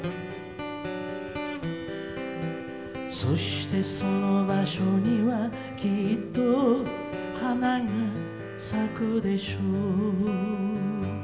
「そしてその場所にはきっと花が咲くでしょう」